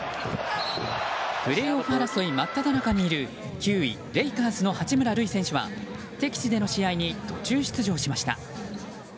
プレーオフ争いまっただ中にいる９位、レイカーズの八村塁選手は敵地での試合に途中出場しました。